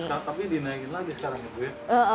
atap ini dinaikin lagi sekarang ya